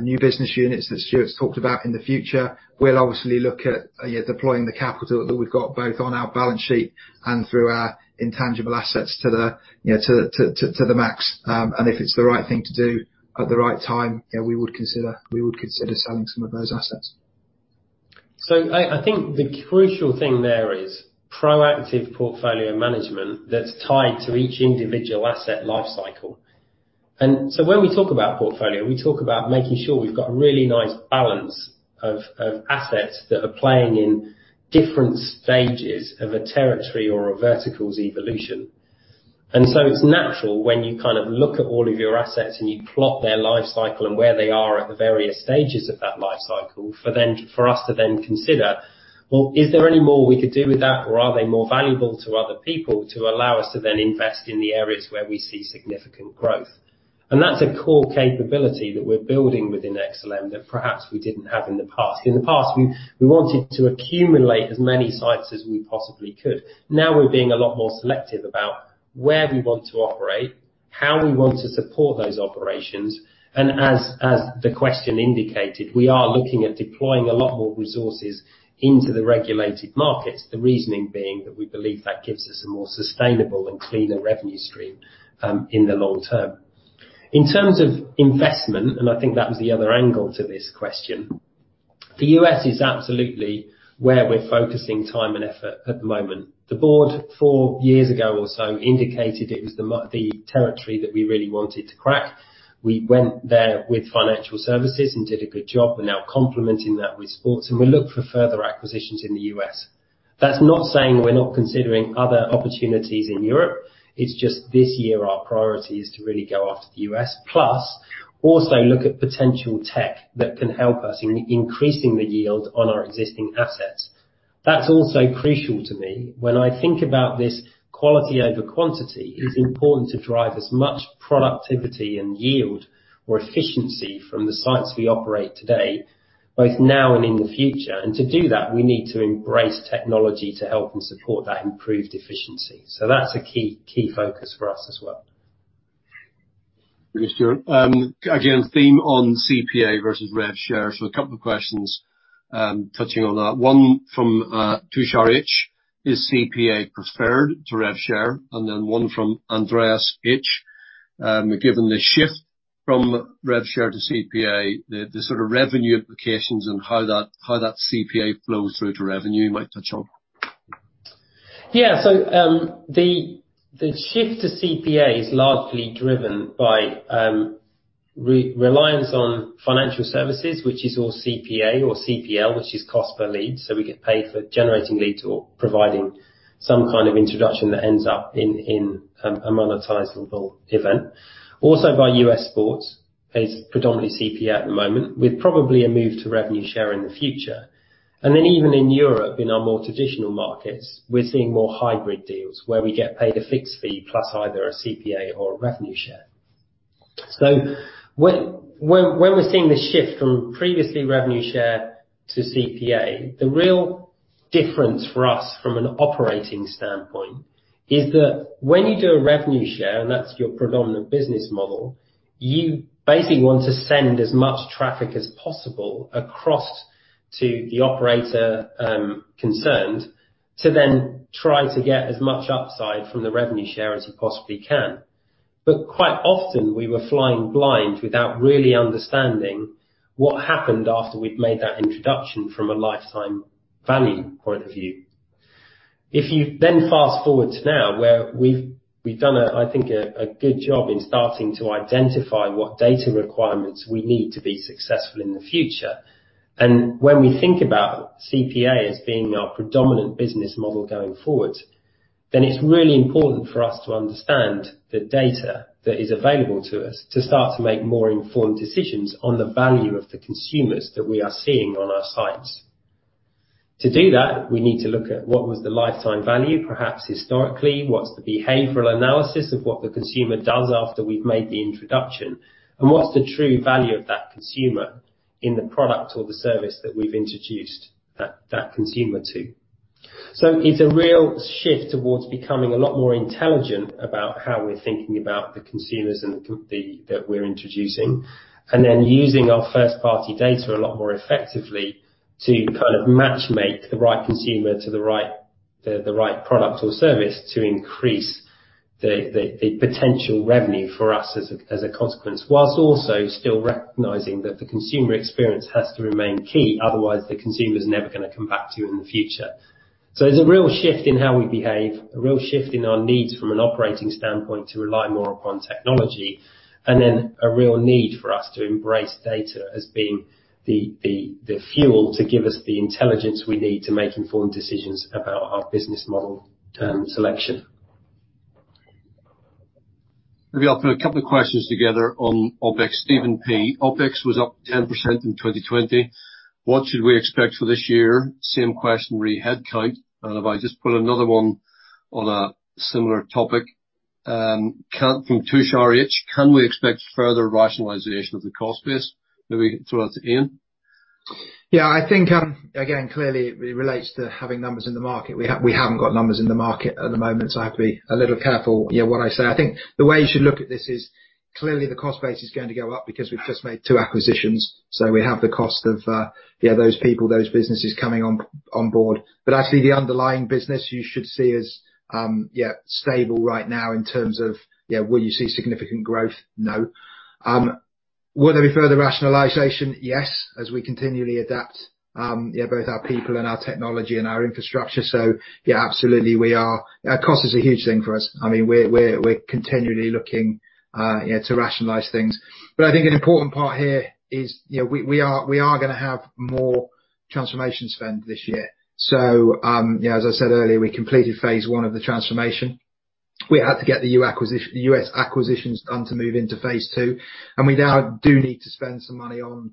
S3: new business units that Stuart's talked about in the future, we'll obviously look at deploying the capital that we've got both on our balance sheet and through our intangible assets to the max, and if it's the right thing to do at the right time, yeah, we would consider selling some of those assets,
S2: so I think the crucial thing there is proactive portfolio management that's tied to each individual asset lifecycle, and so when we talk about portfolio, we talk about making sure we've got a really nice balance of assets that are playing in different stages of a territory or a vertical's evolution. And so it's natural when you kind of look at all of your assets and you plot their lifecycle and where they are at the various stages of that lifecycle for us to then consider, well, is there any more we could do with that, or are they more valuable to other people to allow us to then invest in the areas where we see significant growth? And that's a core capability that we're building within XLMedia that perhaps we didn't have in the past. In the past, we wanted to accumulate as many sites as we possibly could. Now we're being a lot more selective about where we want to operate, how we want to support those operations. And as the question indicated, we are looking at deploying a lot more resources into the regulated markets, the reasoning being that we believe that gives us a more sustainable and cleaner revenue stream in the long term. In terms of investment, and I think that was the other angle to this question, the U.S. is absolutely where we're focusing time and effort at the moment. The board four years ago or so indicated it was the territory that we really wanted to crack. We went there with financial services and did a good job. We're now complementing that with sports, and we look for further acquisitions in the U.S. That's not saying we're not considering other opportunities in Europe. It's just this year our priority is to really go after the U.S., plus also look at potential tech that can help us in increasing the yield on our existing assets. That's also crucial to me. When I think about this quality over quantity, it's important to drive as much productivity and yield or efficiency from the sites we operate today, both now and in the future. And to do that, we need to embrace technology to help and support that improved efficiency. So that's a key focus for us as well.
S4: Thank you, Stuart. Again, theme on CPA versus RevShare. So a couple of questions touching on that. One from Tushar Hitch: Is CPA preferred to RevShare? And then one from Andreas Hitch: Given the shift from RevShare to CPA, the sort of revenue implications and how that CPA flows through to revenue, you might touch on.
S2: Yeah. So the shift to CPA is largely driven by reliance on financial services, which is all CPA or CPL, which is cost per lead. So we get paid for generating leads or providing some kind of introduction that ends up in a monetizable event. Also by U.S. sports, it's predominantly CPA at the moment, with probably a move to revenue share in the future. And then even in Europe, in our more traditional markets, we're seeing more hybrid deals where we get paid a fixed fee plus either a CPA or a revenue share. So when we're seeing the shift from previously revenue share to CPA, the real difference for us from an operating standpoint is that when you do a revenue share, and that's your predominant business model, you basically want to send as much traffic as possible across to the operator concerned to then try to get as much upside from the revenue share as you possibly can. But quite often, we were flying blind without really understanding what happened after we'd made that introduction from a lifetime value point of view. If you then fast forward to now, where we've done, I think, a good job in starting to identify what data requirements we need to be successful in the future. When we think about CPA as being our predominant business model going forward, then it's really important for us to understand the data that is available to us to start to make more informed decisions on the value of the consumers that we are seeing on our sites. To do that, we need to look at what was the lifetime value, perhaps historically, what's the behavioral analysis of what the consumer does after we've made the introduction, and what's the true value of that consumer in the product or the service that we've introduced that consumer to. So it's a real shift towards becoming a lot more intelligent about how we're thinking about the consumers that we're introducing, and then using our first-party data a lot more effectively to kind of matchmake the right consumer to the right product or service to increase the potential revenue for us as a consequence, whilst also still recognizing that the consumer experience has to remain key. Otherwise, the consumer is never going to come back to you in the future. So there's a real shift in how we behave, a real shift in our needs from an operating standpoint to rely more upon technology, and then a real need for us to embrace data as being the fuel to give us the intelligence we need to make informed decisions about our business model selection.
S4: We've got a couple of questions together on OpEx. Stephen P.: OpEx was up 10% in 2020. What should we expect for this year? Same question, re-headcount. And if I just put another one on a similar topic, from Tushar Hitch: Can we expect further rationalization of the cost base? Maybe throw that to Iain.
S3: Yeah, I think, again, clearly, it relates to having numbers in the market. We haven't got numbers in the market at the moment, so I have to be a little careful what I say. I think the way you should look at this is clearly the cost base is going to go up because we've just made two acquisitions. So we have the cost of those people, those businesses coming on board. But actually, the underlying business you should see is stable right now in terms of, will you see significant growth? No. Will there be further rationalization? Yes, as we continually adapt both our people and our technology and our infrastructure. So yeah, absolutely, we are. Cost is a huge thing for us. I mean, we're continually looking to rationalize things. But I think an important part here is we are going to have more transformation spend this year. So as I said earlier, we completed phase one of the transformation. We had to get the US acquisitions done to move into phase two, and we now do need to spend some money on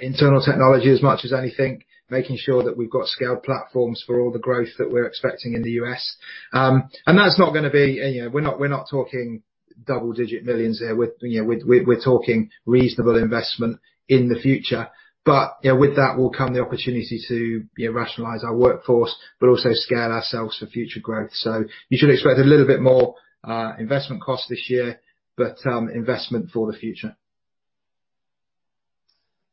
S3: internal technology as much as anything, making sure that we've got scaled platforms for all the growth that we're expecting in the US. And that's not going to be, we're not talking double-digit millions here. We're talking reasonable investment in the future, but with that, will come the opportunity to rationalize our workforce, but also scale ourselves for future growth, so you should expect a little bit more investment cost this year, but investment for the future.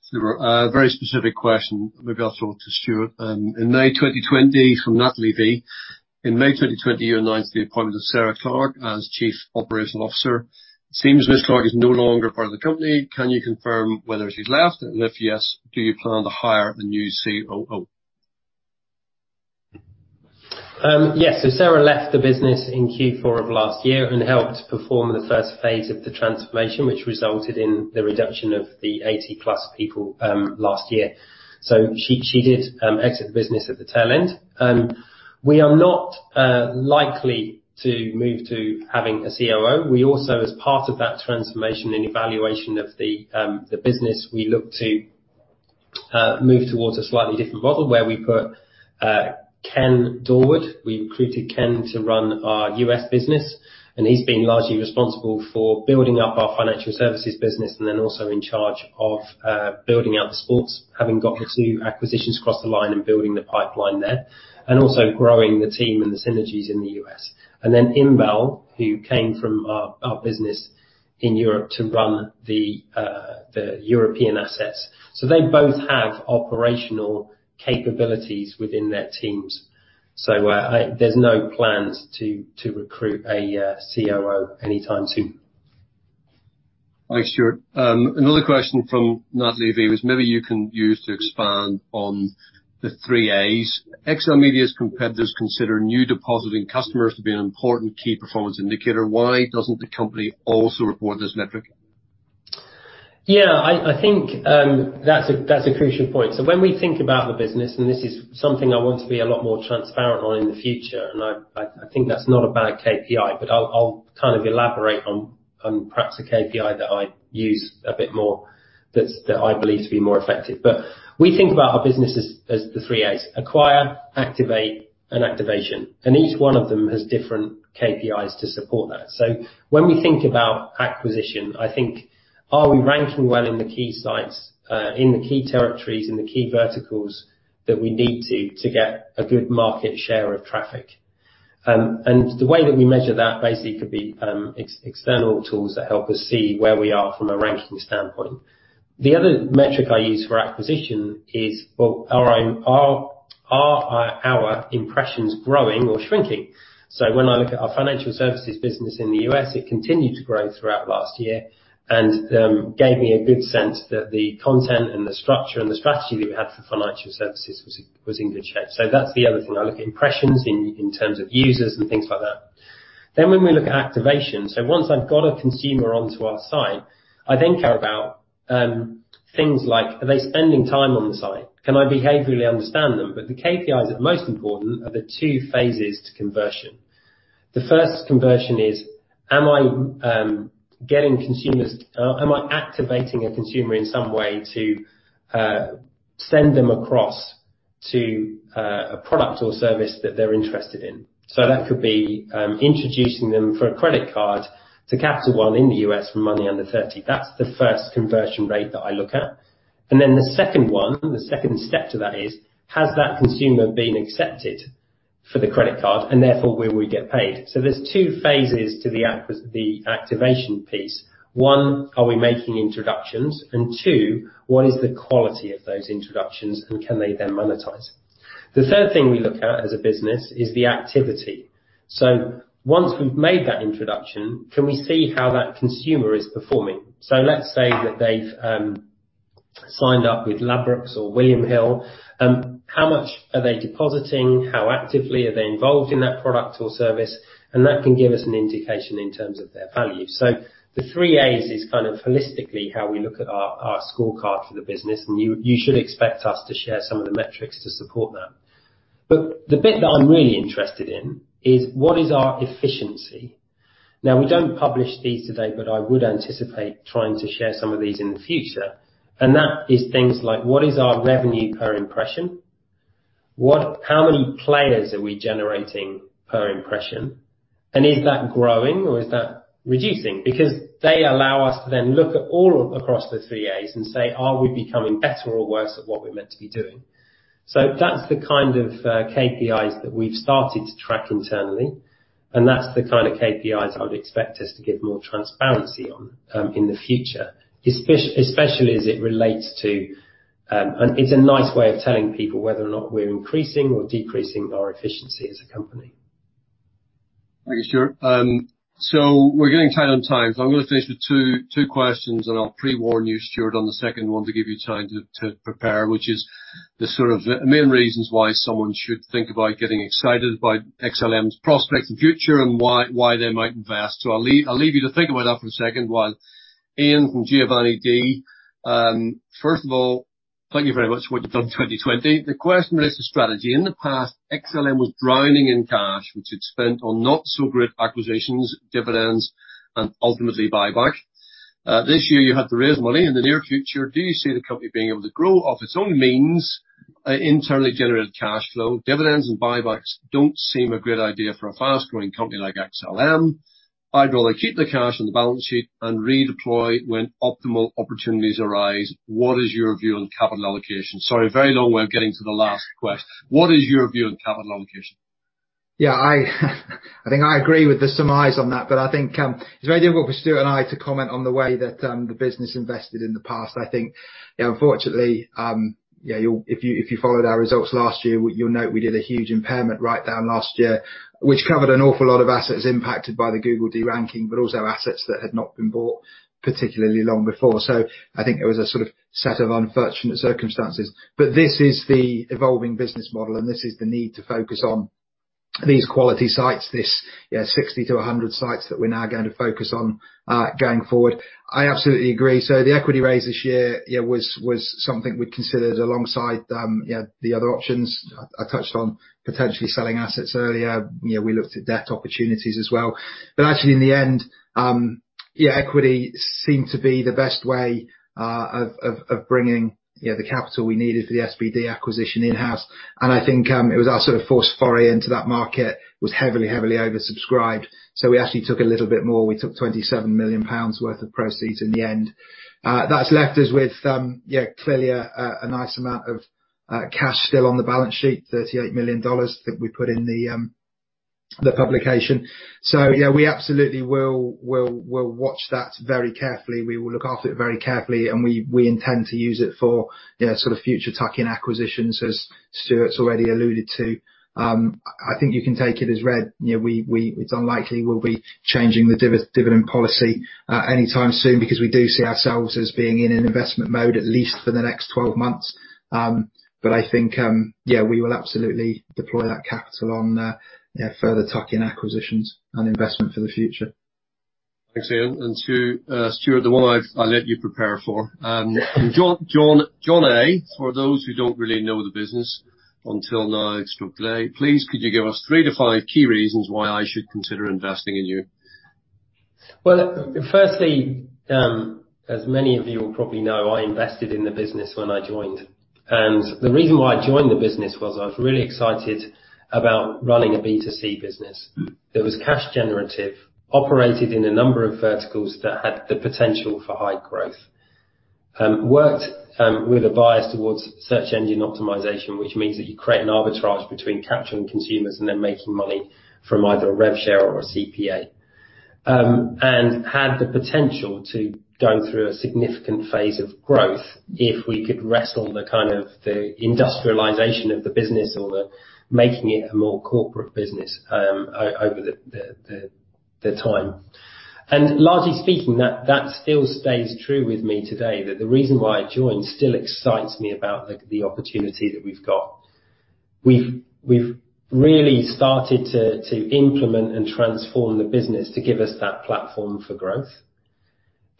S4: Super. A very specific question. We'll get off to Stuart. In May 2020, from Natalie V., in May 2020, you announced the appointment of Sarah Clark as Chief Operating Officer. It seems Ms. Clark is no longer part of the company. Can you confirm whether she's left, and if yes, do you plan to hire a new COO?
S2: Yes. So Sarah left the business in Q4 of last year and helped perform the first phase of the transformation, which resulted in the reduction of the 80-plus people last year. So she did exit the business at the tail end. We are not likely to move to having a COO. We also, as part of that transformation and evaluation of the business, we look to move towards a slightly different model where we put Ken Dorward. We recruited Ken to run our U.S. business, and he's been largely responsible for building up our financial services business and then also in charge of building out the sports, having gotten two acquisitions across the line and building the pipeline there, and also growing the team and the synergies in the U.S. And then Inbal, who came from our business in Europe to run the European assets. So they both have operational capabilities within their teams. So there's no plans to recruit a COO anytime soon.
S4: Thanks, Stuart. Another question from Natalie V. was maybe you can use to expand on the three As. XLMedia's competitors consider new depositing customers to be an important key performance indicator. Why doesn't the company also report this metric?
S2: Yeah, I think that's a crucial point. So when we think about the business, and this is something I want to be a lot more transparent on in the future, and I think that's not a bad KPI, but I'll kind of elaborate on perhaps a KPI that I use a bit more that I believe to be more effective. But we think about our business as the three As: acquire, activate, and activation. And each one of them has different KPIs to support that. So when we think about acquisition, I think, are we ranking well in the key sites, in the key territories, in the key verticals that we need to get a good market share of traffic? And the way that we measure that basically could be external tools that help us see where we are from a ranking standpoint. The other metric I use for acquisition is, well, are our impressions growing or shrinking? So when I look at our financial services business in the U.S., it continued to grow throughout last year and gave me a good sense that the content and the structure and the strategy that we had for financial services was in good shape. So that's the other thing. I look at impressions in terms of users and things like that. Then when we look at activation, so once I've got a consumer onto our site, I then care about things like, are they spending time on the site? Can I behaviorally understand them? But the KPIs that are most important are the two phases to conversion. The first conversion is, am I getting consumers? Am I activating a consumer in some way to send them across to a product or service that they're interested in? That could be introducing them for a credit card to Capital One in the U.S. for Money Under 30. That's the first conversion rate that I look at. Then the second one, the second step to that is, has that consumer been accepted for the credit card and therefore will we get paid? There's two phases to the activation piece. One, are we making introductions? Two, what is the quality of those introductions and can they then monetize? The third thing we look at as a business is the activity. Once we've made that introduction, can we see how that consumer is performing? Let's say that they've signed up with Ladbrokes or William Hill. How much are they depositing? How actively are they involved in that product or service? And that can give us an indication in terms of their value. So the three A's is kind of holistically how we look at our scorecard for the business, and you should expect us to share some of the metrics to support that. But the bit that I'm really interested in is, what is our efficiency? Now, we don't publish these today, but I would anticipate trying to share some of these in the future. And that is things like, what is our revenue per impression? How many players are we generating per impression? And is that growing or is that reducing? Because they allow us to then look at all across the three A's and say, are we becoming better or worse at what we're meant to be doing? So that's the kind of KPIs that we've started to track internally. And that's the kind of KPIs I would expect us to give more transparency on in the future, especially as it relates to, and it's a nice way of telling people whether or not we're increasing or decreasing our efficiency as a company.
S4: Thank you, Stuart. So we're getting tight on time. So I'm going to finish with two questions, and I'll pre-warn you, Stuart, on the second one to give you time to prepare, which is the sort of main reasons why someone should think about getting excited by XLM's prospects in the future and why they might invest. So I'll leave you to think about that for a second while Iain from Giovanni D. First of all, thank you very much for what you've done in 2020. The question relates to strategy. In the past, XLM was drowning in cash, which it spent on not-so-great acquisitions, dividends, and ultimately buyback. This year, you had to raise money. In the near future, do you see the company being able to grow off its own means, internally generated cash flow? Dividends and buybacks don't seem a great idea for a fast-growing company like XLMedia. I'd rather keep the cash on the balance sheet and redeploy when optimal opportunities arise. What is your view on capital allocation? Sorry, very long way of getting to the last question. What is your view on capital allocation?
S3: Yeah, I think I agree with the surmise on that, but I think it's very difficult for Stuart and I to comment on the way that the business invested in the past. I think, unfortunately, if you followed our results last year, you'll note we did a huge impairment write-down last year, which covered an awful lot of assets impacted by the Google de-ranking, but also assets that had not been bought particularly long before. So I think it was a sort of set of unfortunate circumstances. But this is the evolving business model, and this is the need to focus on these quality sites, these 60-100 sites that we're now going to focus on going forward. I absolutely agree. So the equity raise this year was something we considered alongside the other options. I touched on potentially selling assets earlier. We looked at debt opportunities as well. But actually, in the end, equity seemed to be the best way of bringing the capital we needed for the SBD acquisition in-house. And I think it was our sort of first foray into that market was heavily, heavily oversubscribed. So we actually took a little bit more. We took 27 million pounds worth of proceeds in the end. That's left us with clearly a nice amount of cash still on the balance sheet, $38 million that we put in the business. So yeah, we absolutely will watch that very carefully. We will look after it very carefully, and we intend to use it for sort of future tuck-in acquisitions, as Stuart's already alluded to. I think you can take it as read. It's unlikely we'll be changing the dividend policy anytime soon because we do see ourselves as being in an investment mode at least for the next 12 months. But I think, yeah, we will absolutely deploy that capital on further tuck-in acquisitions and investment for the future.
S4: Thanks, Iain. And Stuart, the one I let you prepare for. John A, for those who don't really know the business until now, extra clear, please could you give us three to five key reasons why I should consider investing in you?
S2: Firstly, as many of you will probably know, I invested in the business when I joined. The reason why I joined the business was I was really excited about running a B2C business that was cash-generative, operated in a number of verticals that had the potential for high growth, worked with a bias towards search engine optimization, which means that you create an arbitrage between capturing consumers and then making money from either a rev share or a CPA, and had the potential to go through a significant phase of growth if we could wrestle the kind of industrialization of the business or making it a more corporate business over the time. Largely speaking, that still stays true with me today, that the reason why I joined still excites me about the opportunity that we've got. We've really started to implement and transform the business to give us that platform for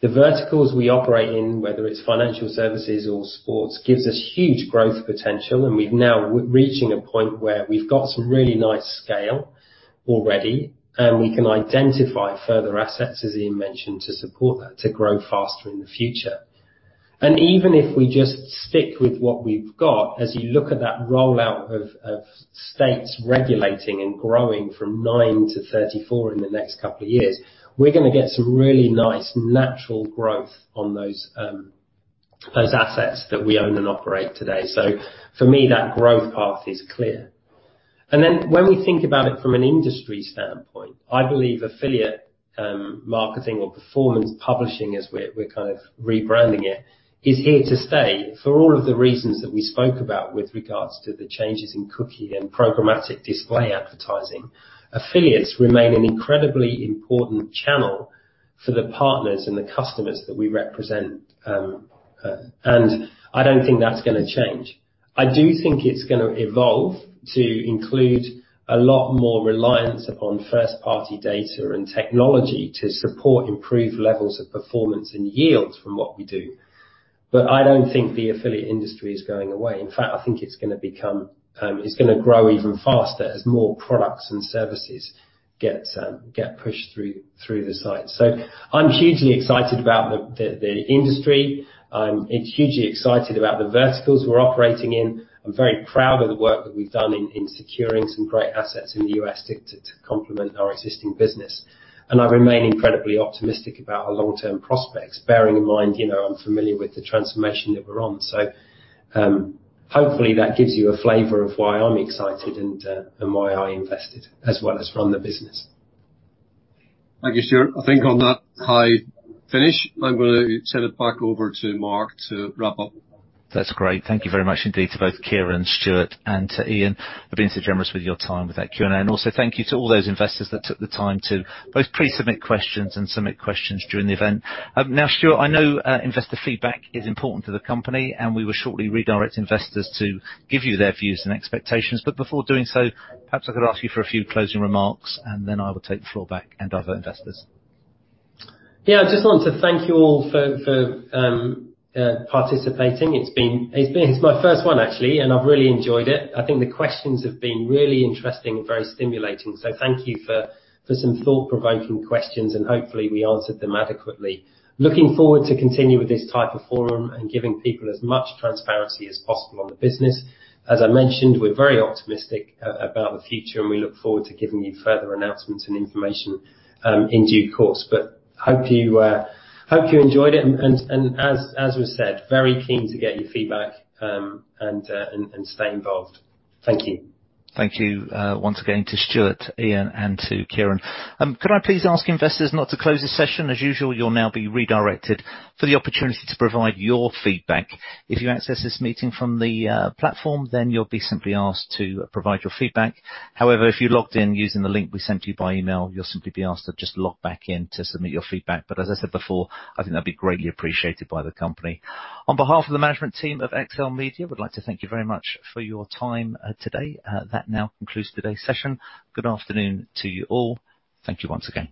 S2: growth. The verticals we operate in, whether it's financial services or sports, give us huge growth potential, and we're now reaching a point where we've got some really nice scale already, and we can identify further assets, as Iain mentioned, to support that, to grow faster in the future, and even if we just stick with what we've got, as you look at that rollout of states regulating and growing from nine to 34 in the next couple of years, we're going to get some really nice natural growth on those assets that we own and operate today, so for me, that growth path is clear. And then when we think about it from an industry standpoint, I believe affiliate marketing or performance publishing, as we're kind of rebranding it, is here to stay for all of the reasons that we spoke about with regards to the changes in cookie and programmatic display advertising. Affiliates remain an incredibly important channel for the partners and the customers that we represent, and I don't think that's going to change. I do think it's going to evolve to include a lot more reliance upon first-party data and technology to support improved levels of performance and yields from what we do. But I don't think the affiliate industry is going away. In fact, I think it's going to become, it's going to grow even faster as more products and services get pushed through the site. So I'm hugely excited about the industry. I'm hugely excited about the verticals we're operating in. I'm very proud of the work that we've done in securing some great assets in the U.S. to complement our existing business. And I remain incredibly optimistic about our long-term prospects, bearing in mind I'm familiar with the transformation that we're on. So hopefully that gives you a flavor of why I'm excited and why I invested as well as run the business.
S4: Thank you, Stuart. I think on that high finish, I'm going to send it back over to Mark to wrap up.
S1: That's great. Thank you very much indeed to both Kieran and Stuart and to Iain for being so generous with your time with that Q&A. And also, thank you to all those investors that took the time to both pre-submit questions and submit questions during the event. Now, Stuart, I know investor feedback is important to the company, and we will shortly redirect investors to give you their views and expectations. But before doing so, perhaps I could ask you for a few closing remarks, and then I will take the floor back and other investors.
S2: Yeah, I just want to thank you all for participating. It's my first one, actually, and I've really enjoyed it. I think the questions have been really interesting and very stimulating. So thank you for some thought-provoking questions, and hopefully we answered them adequately. Looking forward to continue with this type of forum and giving people as much transparency as possible on the business. As I mentioned, we're very optimistic about the future, and we look forward to giving you further announcements and information in due course. But hope you enjoyed it. And as we said, very keen to get your feedback and stay involved. Thank you.
S1: Thank you once again to Stuart, Iain, and to Kieran. Could I please ask investors not to close the session? As usual, you'll now be redirected for the opportunity to provide your feedback. If you access this meeting from the platform, then you'll be simply asked to provide your feedback. However, if you logged in using the link we sent you by email, you'll simply be asked to just log back in to submit your feedback. But as I said before, I think that'd be greatly appreciated by the company. On behalf of the management team of XLMedia, we'd like to thank you very much for your time today. That now concludes today's session. Good afternoon to you all. Thank you once again.